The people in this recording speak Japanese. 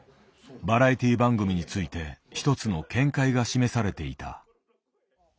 バラエティ−番組について一つの見解が示されていた。